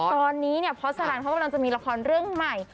ตอนนี้พอร์ตสารันเขากำลังจะมีละครเรื่องใหม่